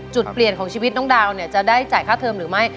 จุดเปลี่ยนของชีวิตน้องดาวเนี่ยจะได้จ่ายค่าเทิมหรือไม่